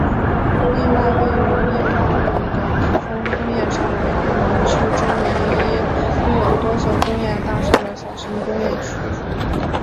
另外位于业旺路的南丰工业城为屯门区中唯一拥有多座工业大厦的小型工业区。